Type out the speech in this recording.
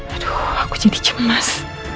aduh aku jadi cemas